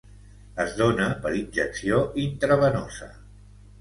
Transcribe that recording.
Es dóna per injecció intravenosa.